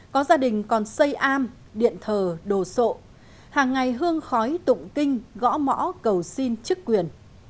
có gia đình còn xây am điện thờ đồ sộ hàng ngày hương khói tụng kinh gõ mõ cầu xin chức quyền